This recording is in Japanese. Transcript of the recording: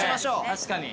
確かに。